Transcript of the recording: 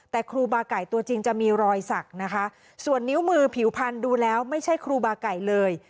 แต่ครูบาไก่ตัวจริงจะมีรอยสักนะคะส่วนนิ้วมือผิวพันธุ์ดูแล้วไม่ใช่ครูบาไก่เลย